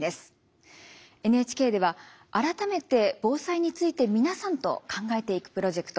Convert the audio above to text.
ＮＨＫでは改めて防災について皆さんと考えていくプロジェクト